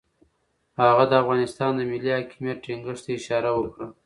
هغه د افغانستان د ملي حاکمیت ټینګښت ته اشاره وکړه.